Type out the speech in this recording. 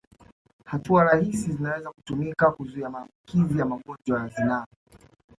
Hatua rahisi zinaweza kutumika kuzuia maambukizi ya magonjwa ya zinaa